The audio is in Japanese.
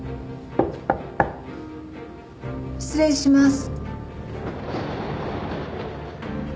失礼します。